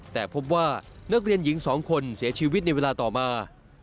แต่พบว่านักเรียนหญิง๒คนเสียชีวิตในเวลาต่อมา